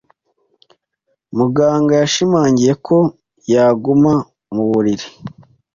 Muganga yashimangiye ko yaguma mu buriri.